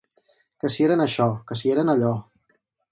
Que si eren això, que si eren allò